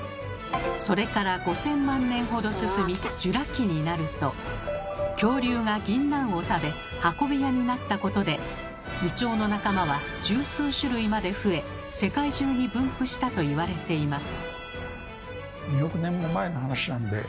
それから５，０００万年ほど進みジュラ紀になると恐竜がぎんなんを食べ運び屋になったことでイチョウの仲間は十数種類まで増え世界中に分布したと言われています。